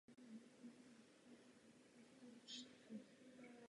Proces ratifikace ještě probíhá v České republice.